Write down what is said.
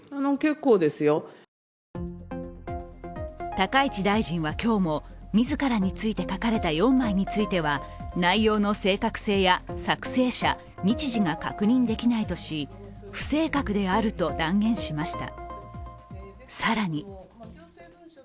高市大臣は今日も、自らについて書かれた４枚については内容の正確性や作成者、日時が確認できないとし不正確であると断言しました。